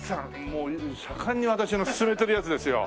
もう盛んに私の薦めてるやつですよ。